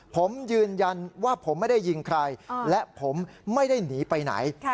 ผมยืนยันว่าผมไม่ได้ยิงใครและผมไม่ได้หนีไปไหน